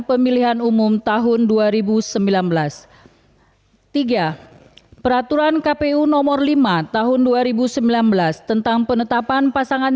pemilihan umum tahun dua ribu sembilan belas tiga peraturan kpu nomor lima tahun dua ribu sembilan belas tentang penetapan pasangan